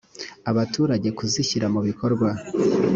abaturage kuzishyira mu bikorwa